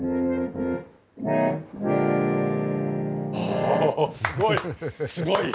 おっすごい！